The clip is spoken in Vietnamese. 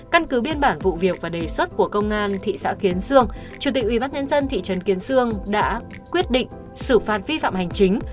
căn cứ biên bản vụ việc và đề xuất của công an thị xã kiến sương chủ tịch ubnd thị trấn kiến sương đã quyết định xử phạt vi phạm hành chính